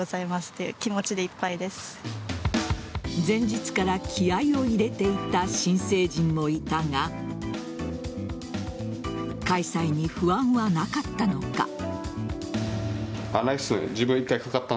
前日から気合いを入れていた新成人もいたが開催に不安はなかったのか。